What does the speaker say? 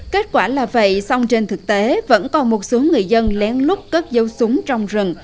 kết quả là vậy song trên thực tế vẫn còn một số người dân lén lút cất dấu súng trong rừng